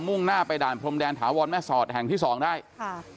่งหน้าไปด่านพรมแดนถาวรแม่สอดแห่งที่สองได้ค่ะ